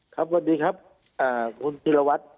ครับสวัสดีครับคุณศิลวัฒน์